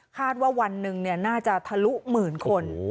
ว่าวันหนึ่งน่าจะทะลุหมื่นคน